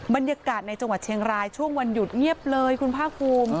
บรรยากาศในจังหวัดเชียงรายช่วงวันหยุดเงียบเลยคุณภาคภูมิ